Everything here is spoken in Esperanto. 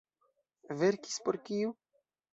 Verkis por kiu?